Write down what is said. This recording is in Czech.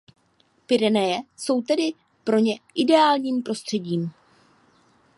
Pyreneje jsou tedy pro ně ideálním prostředím.